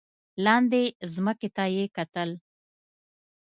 لاندې ځمکې ته یې کتل.